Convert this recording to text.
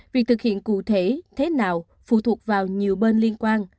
việc thực hiện cụ thể thế nào phụ thuộc vào nhiều bên liên quan